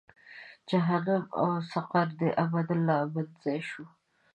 جهنم او سقر دې ابد لا ابد ځای شو.